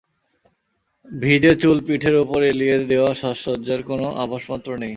ভিজে চুল পিঠের উপর এলিয়ে দেওয়া– সাজসজ্জার কোনো আভাসমাত্র নেই।